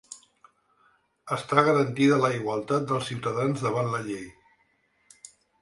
Està garantida la igualtat dels ciutadans davant la llei